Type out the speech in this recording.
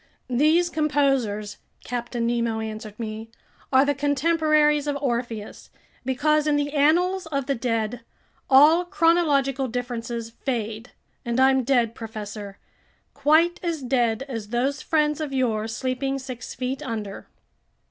"These composers," Captain Nemo answered me, "are the contemporaries of Orpheus, because in the annals of the dead, all chronological differences fade; and I'm dead, professor, quite as dead as those friends of yours sleeping six feet under!"